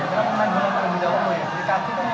jika kita melihat laga timnas kita harus perhatikan kembaliannya